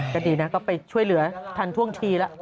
ก็ดีนะก็ไปช่วยเหลือทันท่วงทีแล้ว